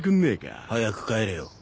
早く帰れよ。